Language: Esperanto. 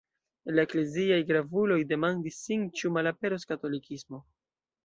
La ekleziaj gravuloj demandis sin ĉu malaperos katolikismo.